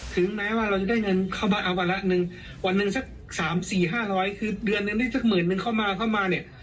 ถึงแม้ว่าเราจะได้เงินเข้ามาเอาวันละหนึ่งวันหนึ่งสักสามสี่ห้าร้อยคือเดือนหนึ่งได้สักหมื่นนึงเข้ามาเข้ามาเนี่ย